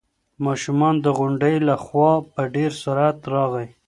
ماشوم د غونډۍ له خوا په ډېر سرعت راغی.